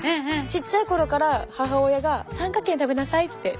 ちっちゃい頃から母親が「三角形に食べなさい」って。